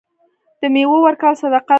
د میوو ورکول صدقه ده.